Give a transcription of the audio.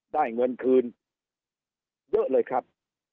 ได้เงินคืนเยอะเลยครับ